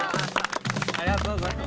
ありがとうございます。